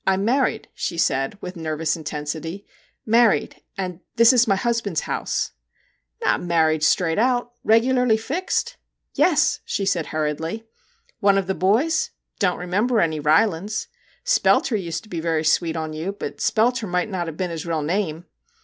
' 1 'm married,' she said, with nervous in tensity 'married, and this is my husband's house !'' Not married straight out! regularly fixed?' 'Yes,' she said hurriedly. ' One of the boys ? Don't remember any Rylands. Spelter used to be very sweet on you but Spelter mightn't have been his real name